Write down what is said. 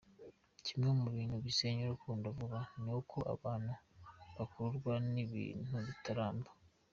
Kimwe mu bintu bisenya urukundo vuba, ni uko abantu bakururwa n’ibintu bitaramba.